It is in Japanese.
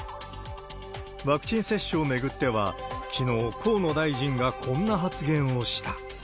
ワクチン接種を巡っては、きのう、河野大臣がこんな発言をした。